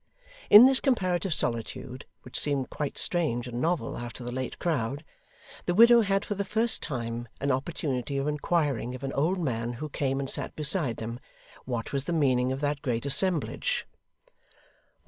In this comparative solitude, which seemed quite strange and novel after the late crowd, the widow had for the first time an opportunity of inquiring of an old man who came and sat beside them, what was the meaning of that great assemblage.